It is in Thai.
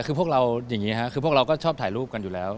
คือพวกเราก็ชอบถ่ายรูปกันอยู่แล้ว